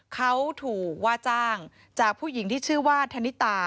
เขาถูกว่าจ้างจากผู้หญิงที่ชื่อว่าธนิตา